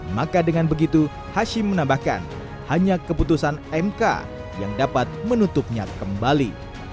maka dengan begitu hashim menambahkan hanya keputusan mk yang dapat menutupnya kembali